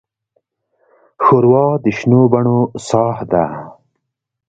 ښوروا د شنو بڼو ساه ده.